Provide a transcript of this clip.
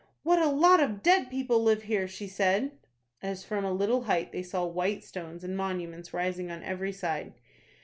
"What a lot of dead people live here!" she said, as from a little height they saw white stones and monuments rising on every side.